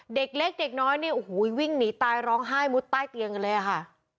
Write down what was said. เด็กเล็กเด็กน้อยเนี่ยโอ้โหวิ่งหนีตายร้องไห้มุดใต้เตียงกันเลยอะค่ะ